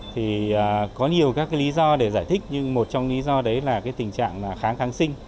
thì có nhiều các lý do để giải thích nhưng một trong lý do đấy là cái tình trạng kháng kháng sinh